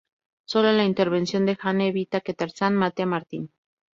Sólo la intervención de Jane evita que Tarzán mate a Martin.